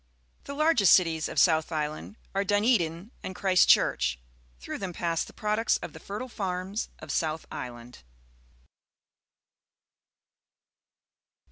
The largest cities of South Island are Dunedin and Christchurch. Through them pass the products of the fertile farms of South Island.